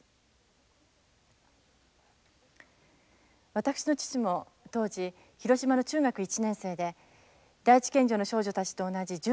私の父も当時広島の中学１年生で第一県女の少女たちと同じ１３歳でした。